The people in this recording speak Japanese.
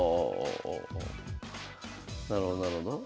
ああなるほどなるほど。